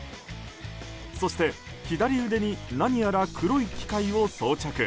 そして、左腕に何やら黒い機械を装着。